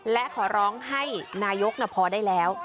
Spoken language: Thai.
และขอร้องให้นายกพอได้แล้ว